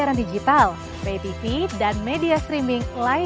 kami sampaikan kami menghormati